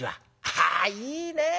「ああいいねえ！